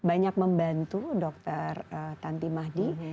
banyak membantu dokter tanti mahdi